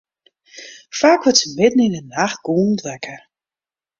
Faak wurdt se midden yn 'e nacht gûlend wekker.